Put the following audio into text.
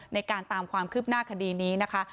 ตามความคืบหน้าคดีนี้นะคะ